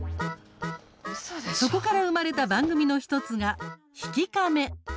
そこから生まれた番組の１つが「悲喜カメ」。